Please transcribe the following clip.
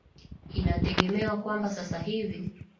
inategemewa kwamba sasa hivi